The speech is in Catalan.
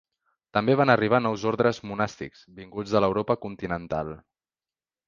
També van arribar nous ordes monàstics, vinguts de l'Europa continental.